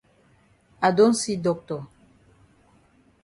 I don see doctor.